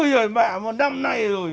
ôi dời bà một năm nay rồi